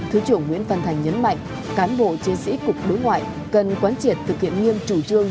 thứ trưởng nguyễn văn thành nhấn mạnh cán bộ chiến sĩ cục đối ngoại cần quán triệt thực hiện nghiêm chủ trương